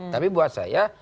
tapi buat saya